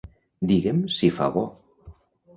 Digue'm si fa bo.